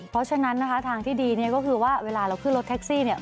เพราะฉะนั้นนะคะทางที่ดีเนี่ยก็คือว่าเวลาเราขึ้นรถแท็กซี่เนี่ย